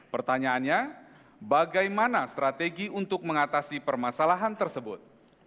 pertanyaannya bagaimana strategi untuk mengatasi permasalahan tersebut